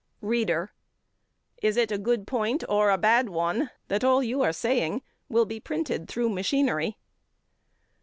READER: It is a good point or a bad one that all you are saying will be printed through machinery?